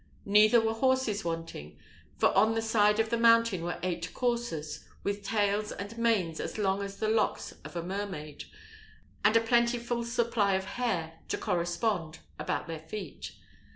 Neither were horses wanting, for on the side of the mountain were eight coursers, with tails and manes as long as the locks of a mermaid, and a plentiful supply of hair to correspond about their feet.